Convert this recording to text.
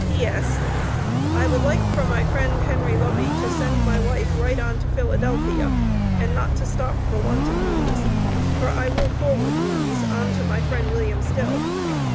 P.S. I would like for my friend Henry Lovey to send my wife right on to Philadelphia; not to stop for want of means, for I will forward means on to my friend Wm Still.